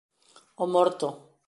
O morto.